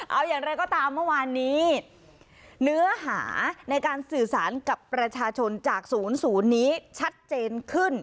เอาอย่างไรก็ตามเมื่อวานนี้เนื้อหาในการสื่อสารกับประชาชนจาก๐๐นี้ชัดเจนขึ้น